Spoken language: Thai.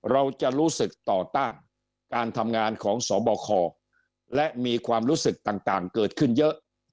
เราจะรู้สึกต่อต้านการทำงานของสบคและมีความรู้สึกต่างเกิดขึ้นเยอะ